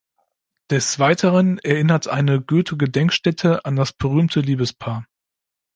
Des Weiteren erinnert eine Goethe-Gedenkstätte an das berühmte Liebespaar.